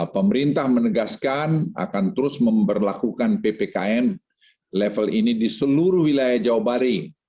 pemerintah menegaskan akan terus memperlakukan ppkm level ini di seluruh wilayah jawa bali